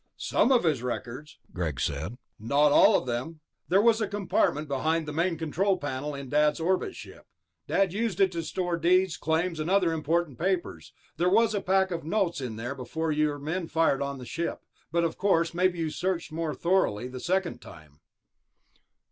"Some of his records," Greg said. "Not all of them. There was a compartment behind the main control panel in Dad's orbit ship. Dad used it to store deeds, claims, other important papers. There was a packet of notes in there before your men fired on the ship. But of course, maybe you searched more thoroughly, the second time."